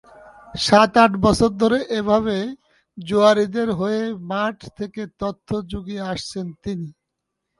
সাত-আট বছর ধরে এভাবে জুয়াড়িদের হয়ে মাঠ থেকে তথ্য জুগিয়ে আসছেন তিনি।